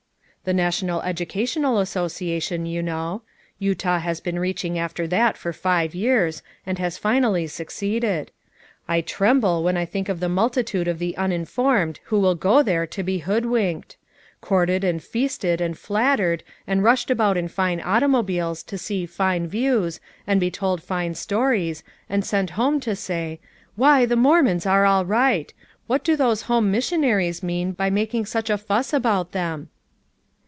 "The National Educational Association, you know. Utah has been reaching after that for five years, and has finally succeeded. I tremble when I think of the multitude of the uninformed who will go there to be hoodwinked. Courted and feasted and flattered and rushed about in fine automobiles to see fine views and be told 328 FOUR MOTHERS AT CHAUTAUQUA fine stories and sent homo io say: 'Why, the Mormons are all right. What do those home missionaries mean by making such a fuss about them?'